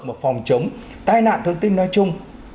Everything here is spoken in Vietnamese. một phòng chống tai nạn thông tin nói chung